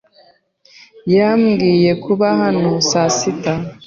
Yambwiye kuba hano saa sita.